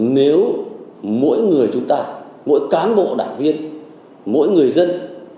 nếu mỗi người chúng ta mỗi cán bộ đảng viên mỗi người dân